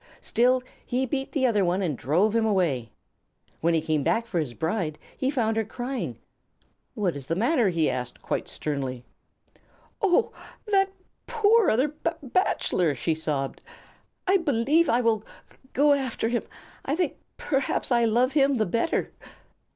Still he beat the other one and drove him away. When he came back for his bride he found her crying. "What is the matter?" said he, quite sternly. "Oh, that p poor other b bachelor!" she sobbed. "I b believe I will g go after him. I think p perhaps I l love him the b better."